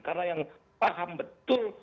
karena yang paham betul